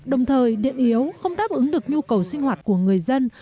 đồng thời điện yếu không đáp ứng được nhu cầu sinh hoạt của người dân